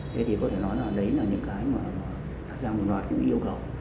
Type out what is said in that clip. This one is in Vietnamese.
thế thì có thể nói là đấy là những cái mà đặt ra một loạt những yêu cầu